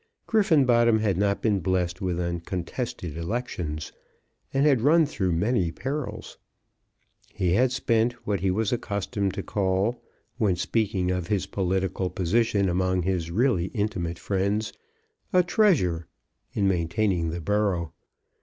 Griffenbottom had not been blessed with uncontested elections, and had run through many perils. He had spent what he was accustomed to call, when speaking of his political position among his really intimate friends, "a treasure" in maintaining the borough.